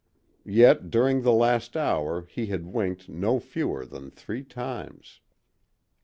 Yet during the last hour he had winked no fewer than three times.